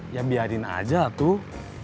ya biarin aja tuh